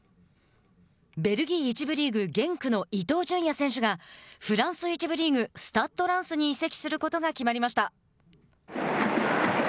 ベルギー１部リーグゲンクの伊東純也選手がフランス１部リーグスタッド・ランスに移籍することが決まりました。